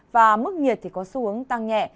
và mức nhiệt có xu hướng tăng nhẹ